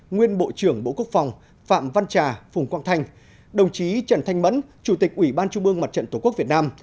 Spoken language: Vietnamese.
nguyên bộ trưởng bộ quốc phòng phạm văn trà phùng quang thanh đồng chí trần thanh mẫn chủ tịch ủy ban trung mương mặt trận tổ quốc việt nam